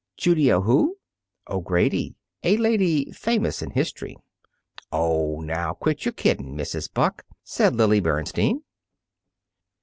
"Judy O'Who?" "O'Grady a lady famous in history." "Oh, now, quit your kiddin', Mrs. Buck!" said Lily Bernstein.